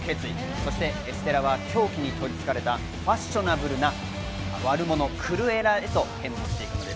そしてエステラは恐怖にとりつかれたファッショナブルな悪者・クルエラへと変貌していくんです。